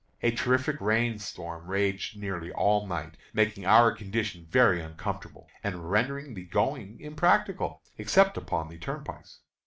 A terrific rain storm raged nearly all night, making our condition very uncomfortable, and rendering the going impracticable, except upon the turnpikes.